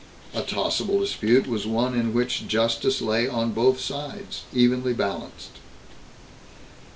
2. A tossable dispute was one in which justice lay on both sides, evenly balanced.